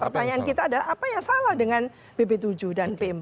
pertanyaan kita adalah apa yang salah dengan bp tujuh dan p empat